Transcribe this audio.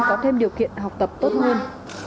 có thêm điều kiện học tập tốt hơn